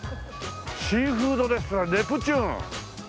「シーフードレストランネプチューン」